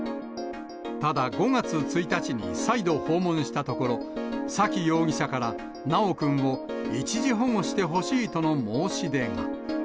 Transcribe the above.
ただ、５月１日に再度訪問したところ、沙喜容疑者から修くんを一時保護してほしいとの申し出が。